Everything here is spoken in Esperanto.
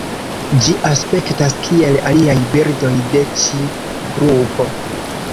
Ĝi aspektas kiel aliaj birdoj de ĉi grupo.